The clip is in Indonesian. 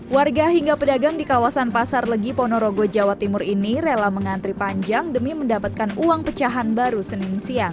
warga hingga pedagang di kawasan pasar legi ponorogo jawa timur ini rela mengantri panjang demi mendapatkan uang pecahan baru senin siang